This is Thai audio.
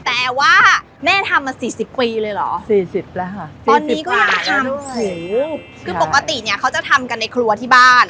แต่ว่าแม่ทำมาสี่สิบปีเลยเหรอสี่สิบแล้วค่ะตอนนี้ก็ทำโอ้โหคือปกติเนี่ยเขาจะทำกันในครัวที่บ้าน